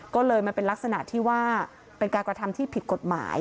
ก็เลยมันเป็นลักษณะที่ว่าเป็นการกระทำที่ผิดกฎหมาย